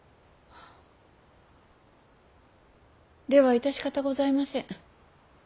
では致し方ございませぬ。